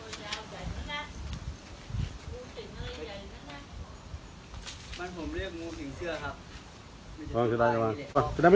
ตอนนี้ก็ไม่มีเวลาให้กลับไปแต่ตอนนี้ก็ไม่มีเวลาให้กลับไป